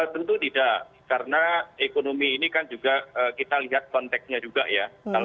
tentu tidak karena ekonomi ini kan juga kita lihat konteksnya juga ya